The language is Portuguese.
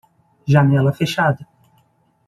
Janela fechada.